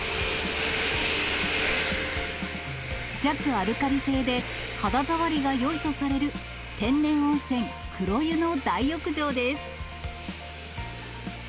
弱アルカリ性で、肌触りがよいとされる天然温泉、黒湯の大浴場です。